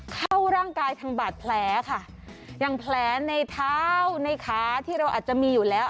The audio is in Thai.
เข้าร่างกายทางบาดแผลค่ะอย่างแผลในเท้าในขาที่เราอาจจะมีอยู่แล้ว